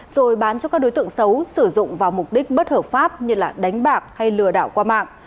rồi bán cho các đối tượng xấu sử dụng vào mục đích bất hợp pháp như đánh bạc hay lừa đảo qua mạng